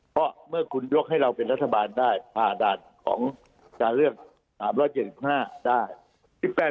เพราะเมื่อคุณยกให้เราเป็นรัฐบาลได้หาดาษของจาเรื่องทราบรอด๗๕ได้